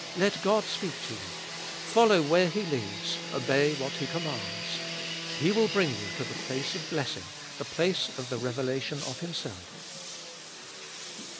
Let God speah to you, follow where He leads, obey what He commands. He will bring you to the place of blessing, the place of the revelation of Himself.